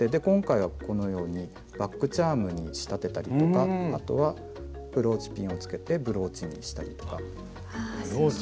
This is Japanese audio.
今回はこのようにバッグチャームに仕立てたりとかあとはブローチピンをつけてブローチにしたりとか。